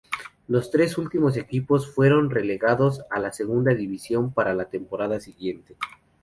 Los tres últimos equipos fueron relegados a la Segunda División para la temporada siguiente.